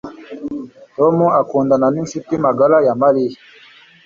Tom akundana ninshuti magara ya Mariya